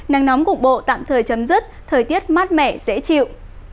nắng nóng cục bộ tạm thời chấm dứt thời tiết mát mẻ dễ chịu